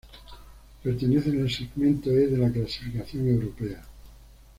Pertenecen al segmento E de la clasificación europea.